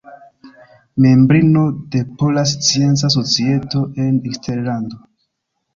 Membrino de Pola Scienca Societo en Eksterlando.